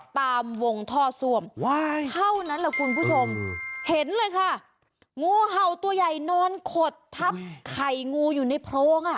ตามวงท่อซ่วมเท่านั้นแหละคุณผู้ชมเห็นเลยค่ะงูเห่าตัวใหญ่นอนขดทับไข่งูอยู่ในโพรงอ่ะ